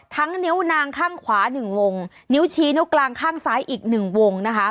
นิ้วนางข้างขวา๑วงนิ้วชี้นิ้วกลางข้างซ้ายอีกหนึ่งวงนะคะ